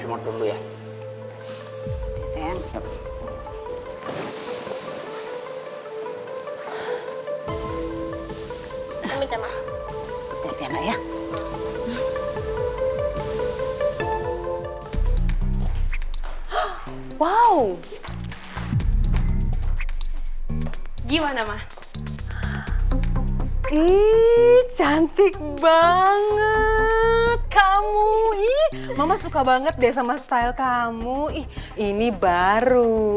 wow gimana mah ih cantik banget kamu ih mama suka banget deh sama style kamu ini baru